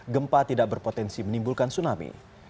gempa tidak berpotensi menimbulkan tsunami